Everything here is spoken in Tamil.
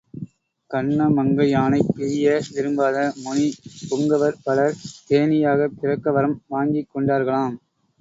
கண்ணமங்கையானைப் பிரிய விரும்பாத முனி புங்கவர் பலர் தேனீயாகப் பிறக்கவரம் வாங்கிக் கொண்டார்களாம்.